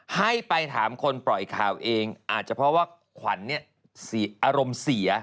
ให้ไปถามคนปล่อยข่าวเองอาจจะเพราะว่าขวัญเนี่ยอารมณ์เสีย